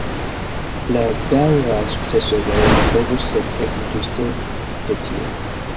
La daŭraj sukcesoj de Romo povus dependi ĝuste de tio.